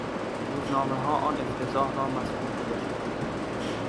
روزنامهها آن افتضاح را مسکوت گذاشته بودند.